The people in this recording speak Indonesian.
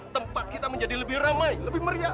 tempat kita menjadi lebih ramai lebih meriah